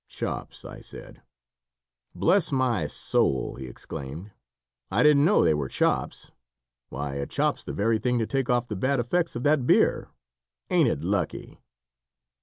"Chops," I said. "Bless my soul!" he exclaimed, "I didn't know they were chops. Why, a chop's the very thing to take off the bad effects of that beer! Ain't it lucky?"